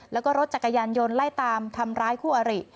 แล้วก็รถจักรยานยนต์ไล่ตามทำร้ายคู่อริ